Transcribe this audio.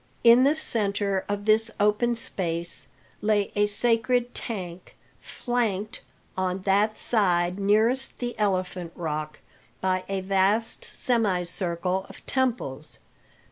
In the centre of this open space lay a sacred tank, flanked, on that side nearest the Elephant Rock, by a vast semicircle of temples.